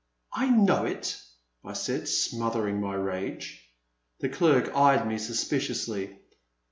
I know it," I said, smothering my rage. The clerk eyed me suspiciously.